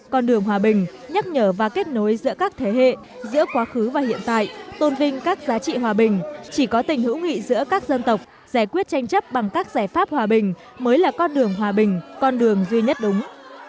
con đường hòa bình nhắc nhở và kết nối giữa các thế hệ giữa quá khứ và hiện tại tôn vinh các giá trị hòa bình chỉ có tình hữu nghị giữa các dân tộc giải quyết tranh chấp bằng các giải pháp hòa bình mới là con đường hòa bình con đường duy nhất đúng